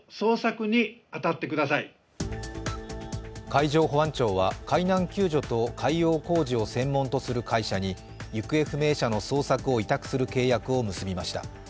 海上保安庁は海難救助と海洋工事を専門とする会社に行方不明者の捜索を委託する契約を結びました。